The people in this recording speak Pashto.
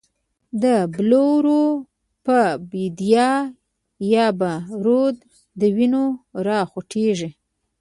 د بلورو په بید یا به، رود د وینو را خوټیږی